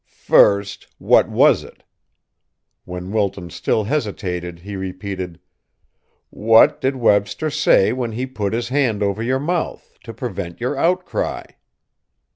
"First, what was it?" When Wilton still hesitated, he repeated: "What did Webster say when he put his hand over your mouth to prevent your outcry?"